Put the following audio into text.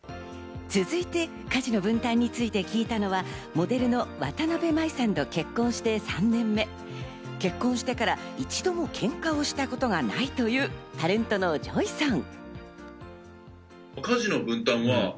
続いて家事の分担について聞いたのはモデルのわたなべ麻衣さんと結婚して３年目、結婚してから一度もケンカをしたことがないというタレントのＪＯＹさん。